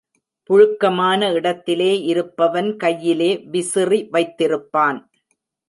புழுக்கமான இடத்திலே இருப்பவன் கையிலே விசிறி வைத்திருப்பான்.